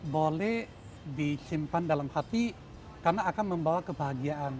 boleh disimpan dalam hati karena akan membawa kebahagiaan